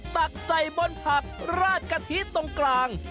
ตักใส่บนผักราดกะทิตรงกลาง